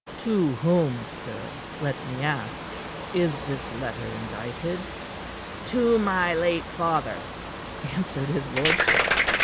"To whom, sir, let me ask, is this letter indited?" "To my late father," answered his lordship.